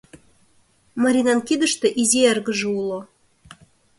Маринан кидыште изи эргыже уло.